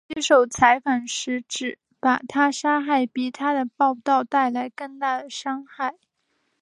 普京接受采访时指把她杀害比她的报导带来更大的伤害。